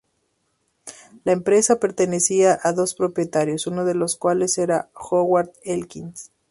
La empresa pertenecía a dos propietarios, uno de los cuales era Howard Elkins.